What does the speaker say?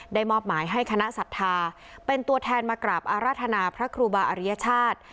มอบหมายให้คณะศรัทธาเป็นตัวแทนมากราบอาราธนาพระครูบาอริยชาติ